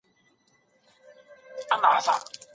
ځان د نورو په څېر مه جوړوئ.